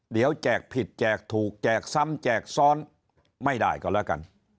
เดี๋ยวแจกผิดแจกถูกแจกซ้ำแจกซ้อนไม่ได้ก็แล้วกัน